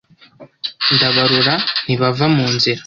Ndabarora ntibava mu nzira